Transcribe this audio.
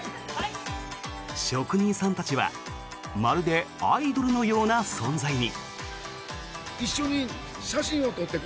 職人さんたちはまるでアイドルのような存在に。